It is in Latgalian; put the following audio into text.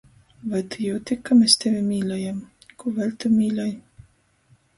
Voi tu jiuti, ka mes tevi mīļojam? Kū vēļ tu mīļoj?